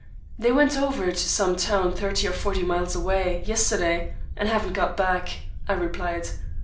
"They went over to some town thirty or forty miles away, yesterday, and haven't got back," I replied.